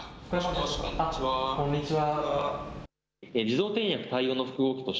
こんにちは。